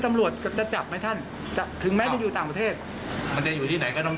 ถ้ามีท่านหนึ่งนี่หมายความว่าสองคนนี้ไม่ได้หนีไปด้วยกันครับ